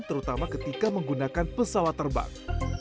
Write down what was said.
terutama ketika menggunakan pesawat terbang